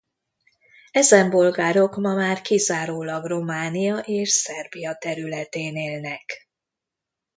Ezen bolgárok ma már kizárólag Románia és Szerbia területén élnek.